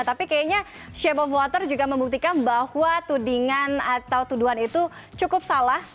tapi kayaknya shape of water juga membuktikan bahwa tudingan atau tuduhan itu cukup salah